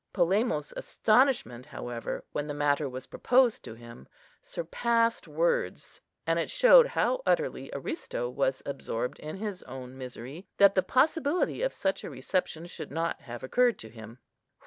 Polemo's astonishment, however, when the matter was proposed to him surpassed words, and it showed how utterly Aristo was absorbed in his own misery, that the possibility of such a reception should not have occurred to him.